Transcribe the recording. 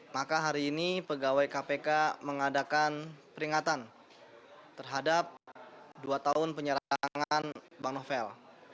maka hari ini pegawai kpk mengadakan peringatan terhadap dua tahun penyerangan bang novel